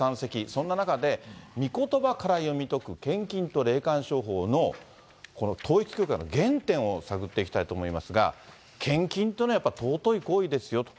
そんな中で、御言葉から読み解く献金と霊感商法のこの統一教会の原点を探っていきたいと思いますが、献金というのは尊い行為ですよと。